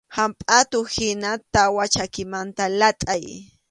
Hampʼatuhina tawa chakimanta latʼay.